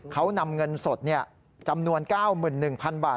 เขานำเงินสดจำนวน๙๑๐๐๐บาท